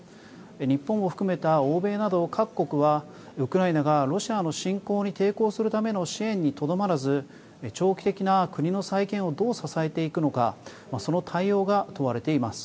日本を含めた欧米など各国はウクライナがロシアの侵攻に抵抗するための支援にとどまらず長期的な国の再建をどう支えていくのかその対応が問われています。